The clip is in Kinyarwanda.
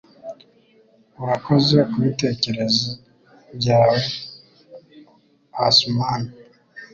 Urakoze kubitekerezo byawe, Usman!